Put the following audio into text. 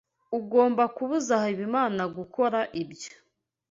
Ugomba kubuza Habimana gukora ibyo.